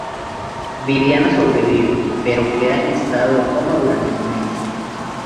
Viviana sobrevive, pero queda en estado de coma durante un mes.